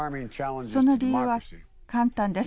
その理由は簡単です。